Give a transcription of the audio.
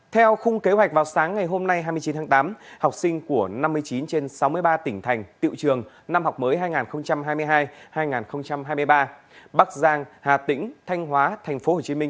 theo khung kế hoạch vào sáng ngày hôm nay hai mươi chín tháng tám học sinh của năm mươi chín trên sáu mươi ba tỉnh thành tiệu trường năm học mới hai nghìn hai mươi hai hai nghìn hai mươi ba bắc giang hà tĩnh thanh hóa tp hcm